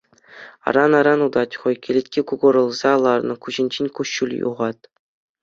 Аран-аран утать хӑй, кӗлетки кукӑрӑлса ларнӑ, куҫӗнчен куҫҫуль юхат.